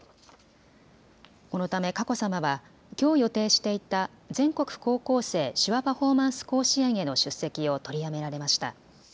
このため佳子さまはきょう予定していた全国高校生手話パフォーマンス甲子園への出席を取りやめられました。